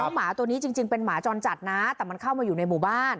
หมาตัวนี้จริงเป็นหมาจรจัดนะแต่มันเข้ามาอยู่ในหมู่บ้าน